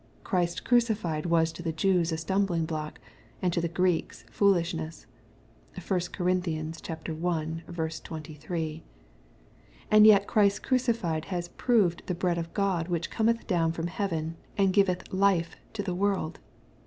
Christ crucified was to the Jewa a stumbling block, and to the Greeks foolishness. (1 Cor. i. 23.) And yet Christ crucified has proved the bread of God which cometh down from heaven, and giveth life to the world.